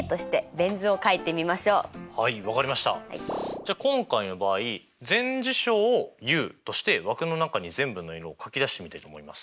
じゃあ今回の場合全事象をＵとして枠の中に全部の色を書き出してみたいと思います。